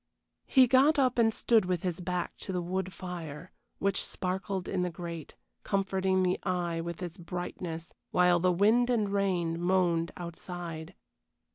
He got up and stood with his back to the wood fire, which sparkled in the grate, comforting the eye with its brightness, while the wind and rain moaned outside.